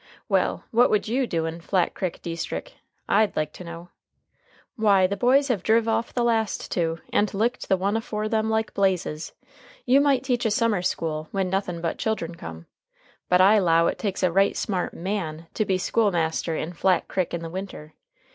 Well, what would you do in Flat Crick deestrick, I'd like to know? Why, the boys have driv off the last two, and licked the one afore them like blazes. You might teach a summer school, when nothin' but children come. But I 'low it takes a right smart man to be school master in Flat Crick in the winter.